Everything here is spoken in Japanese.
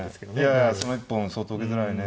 いやその一本相当受けづらいね。